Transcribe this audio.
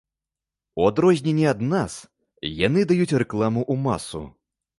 У адрозненне ад нас, яны даюць рэкламу ў масу.